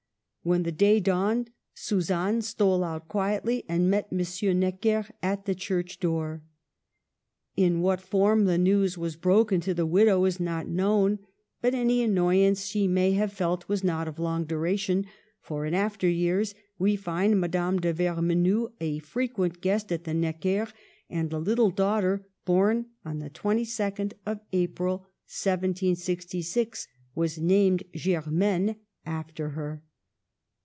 When the day dawned, Suzanne stole out quietly and met M. Necker at the church door. In what form the news was broken to the widow is not known ; but any annoyance she may have felt was not of long duration, for in after years we find Madame de Vermenoux a frequent guest of the Neckers, and the little daughter, born on the 22nd April, 1766, was named Germaine after her.